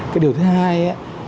cái điều thứ hai